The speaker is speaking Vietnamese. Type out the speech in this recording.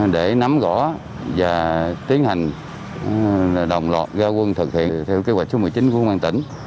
để nắm gõ và tiến hành đồng lọt giao quân thực hiện theo kế hoạch số một mươi chín của công an tỉnh